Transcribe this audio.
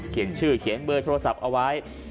ชื่อเขียนเบอร์โทรศัพท์เอาไว้